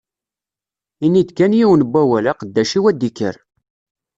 Ini-d kan yiwen n wawal, aqeddac-iw ad ikker.